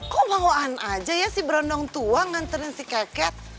kok bawaan aja ya si berandong tua nganterin si keket